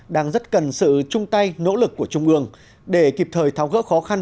đang rất cần sự chung tay nỗ lực của trung ương để kịp thời tháo gỡ khó khăn